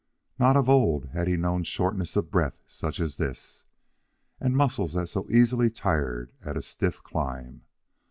Not of old had he known shortness of breath such as this, and muscles that so easily tired at a stiff climb.